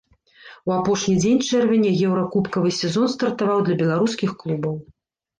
У апошні дзень чэрвеня еўракубкавы сезон стартаваў для беларускіх клубаў.